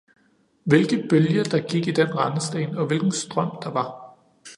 Hvilke bølger der gik i den rendesten, og hvilken strøm der var.